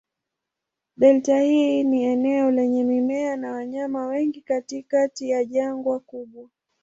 Delta hii ni eneo lenye mimea na wanyama wengi katikati ya jangwa kubwa.